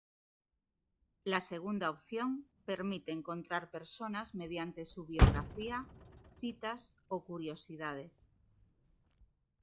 La segunda opción permite encontrar personas mediante su biografía, citas o curiosidades.